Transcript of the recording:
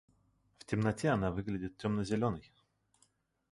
В темноте она выглядит темно-зеленой.